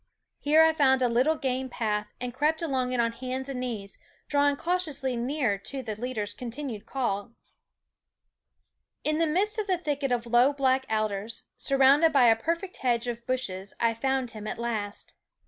There I found a little game path and crept along it on hands and knees, drawing cautiously near to the leader's continued calling. In the midst of a thicket of low black alders, surrounded by a perfect hedge of bushes, I found him at last.